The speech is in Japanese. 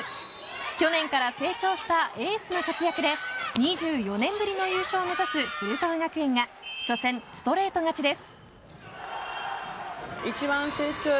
去年から成長したエースの活躍で２４年ぶりの優勝を目指す古川学園が初戦、ストレート勝ちです。